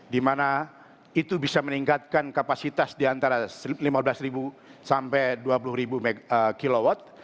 di mana itu bisa meningkatkan kapasitas di antara lima belas sampai dua puluh kilowatt